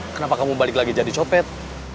kenapa kamu balik lagi jadi copet